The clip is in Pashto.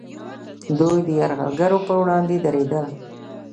دوی د یرغلګرو پر وړاندې دریدل